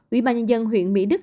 ủy ban nhân dân huyện mỹ đức